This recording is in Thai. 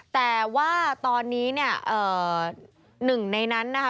แต่ว่าตอนนี้เนี่ยหนึ่งในนั้นนะคะ